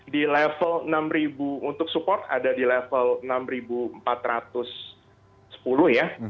di level enam untuk support ada di level enam ribu empat ratus sepuluh ya